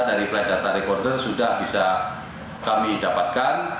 dari flight data recorder sudah bisa kami dapatkan